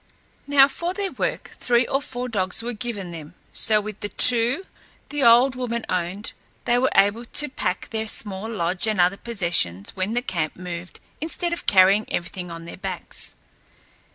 Now, for their work, three or four dogs were given them, so with the two the old woman owned, they were able to pack their small lodge and other possessions when the camp moved, instead of carrying everything on their backs.